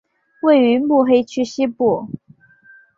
位于目黑区西部。